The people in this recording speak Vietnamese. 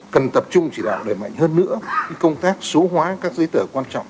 cần tập trung chỉ đạo đẩy mạnh hơn nữa công tác số hóa các giấy tờ quan trọng